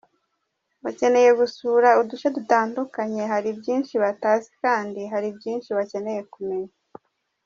Bakeneye gusura uduce dutandukanye, hari byinshi batazi kandi hari byinshi bakeneye kumenya.